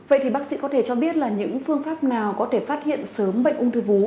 vậy thì bác sĩ có thể cho biết là những phương pháp nào có thể phát hiện sớm bệnh ung thư vú